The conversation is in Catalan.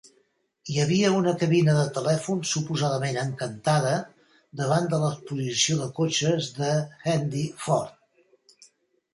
Hi havia una cabina de telèfon suposadament "encantada" davant de l'exposició de cotxes de Hendy Ford.